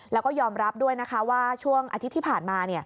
แล้วก็ยอมรับด้วยนะคะว่าช่วงอาทิตย์ที่ผ่านมา